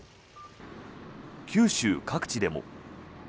九州各地でも。